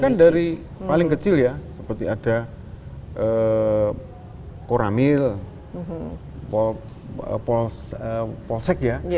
kan dari paling kecil ya seperti ada koramil polsek ya